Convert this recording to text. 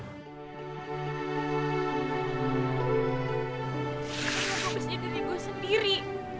kenapa berisik diri gue sendiri